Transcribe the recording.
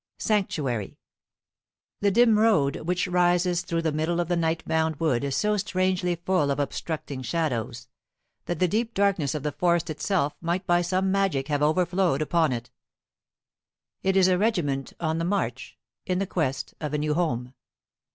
V Sanctuary THE dim road which rises through the middle of the night bound wood is so strangely full of obstructing shadows that the deep darkness of the forest itself might by some magic have overflowed upon it. It is the regiment on the march, in quest of a new home.